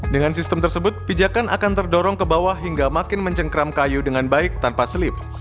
dengan sistem tersebut pijakan akan terdorong ke bawah hingga makin mencengkram kayu dengan baik tanpa selip